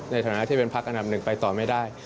ในฐานะที่เป็นพักอันดับหนึ่งไปต่อไม่ได้